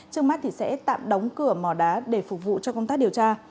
trước mắt thì sẽ tạm đóng cửa mỏ đá để phục vụ cho công tác điều tra